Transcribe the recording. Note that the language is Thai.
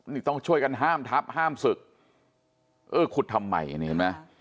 นี่ต้องช่วยกันห้ามทับห้ามศึกเออขุดทำไมนี่เห็นไหม